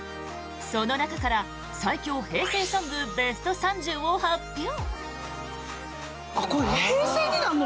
その中から最強平成ソングベスト３０を発表！